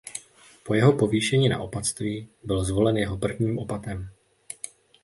Po jeho povýšení na opatství byl zvolen jeho prvním opatem.